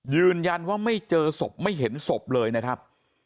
ยืนยันว่าไม่เจอศพไม่เห็นศพเลยนะครับ